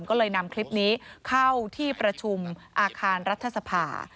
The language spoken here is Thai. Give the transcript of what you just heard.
ก็เลยนำคลิปนี้เข้าที่ประชุมอาคารรัฐสภา